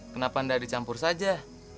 kenapa tidak dicampur saja